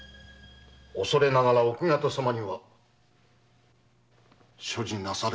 恐れながら奥方様には所持なされておられますか？